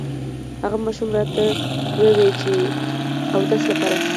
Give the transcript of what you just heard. هغه ماشوم راته ووې چې اودس لپاره